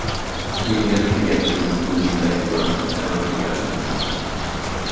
We can never forget the risk of losing basic rights to power-hungry governments.